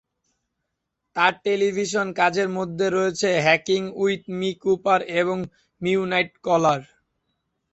তার টেলিভিশন কাজের মধ্যে রয়েছে "হ্যাংিং উইথ মি. কুপার" এবং "মিডনাইট কলার"।